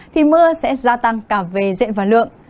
thì mưa sẽ gia tăng cả về diện và lượng